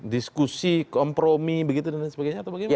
diskusi kompromi begitu dan sebagainya